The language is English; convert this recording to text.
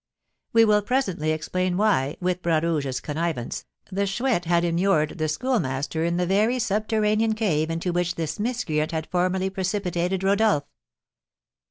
We will presently explain why, with Bras Rouge's connivance, the Chouette had immured the Schoolmaster in the very subterranean cave into which this miscreant had formerly precipitated Rodolph.